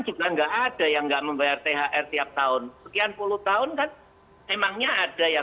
juga enggak ada yang enggak membayar thr tiap tahun sekian puluh tahun kan emangnya ada ya